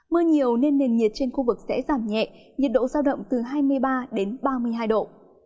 mưa nhiều nên nền nhiệt trên khu vực sẽ giảm nhẹ nhiệt độ giao động từ hai mươi ba đến ba mươi hai độ